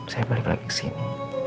saya balik lagi ke sini